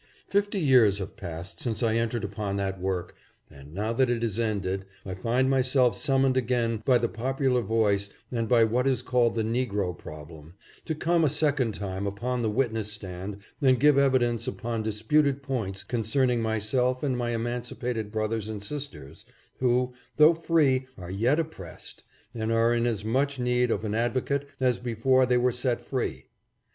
Fifty years have passed since I entered upon that work, and now that it is ended, I find myself summoned again by the popular voice and by what is called the negro problem, to come a second time upon the witness stand and give evidence upon disputed points concern ing myself and my emancipated brothers and sisters who, though free, are yet oppressed and are in as much need of an advocate as before they were set free.